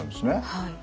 はい。